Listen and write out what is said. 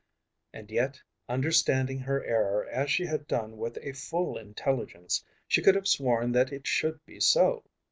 And yet, understanding her error as she had done with a full intelligence, she could have sworn that it should be so.